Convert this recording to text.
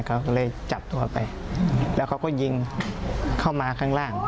เขาก็เลยจับตัวไปแล้วเขาก็ยิงเข้ามาข้างล่าง